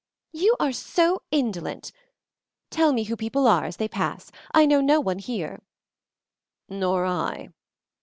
"You are so indolent! Tell me who people are as they pass. I know no one here." "Nor I."